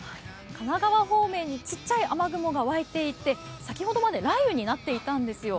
神奈川方面にちっちゃい雨雲が沸いていて先ほどまで雷雨になっていたんですよ。